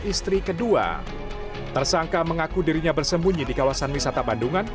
istri kedua tersangka mengaku dirinya bersembunyi di kawasan wisata bandungan